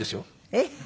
えっ？